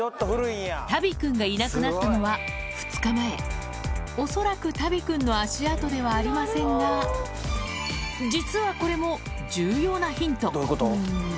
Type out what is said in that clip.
タビ君がいなくなったのは２日前恐らくタビ君の足跡ではありませんが実はこれもどういうこと？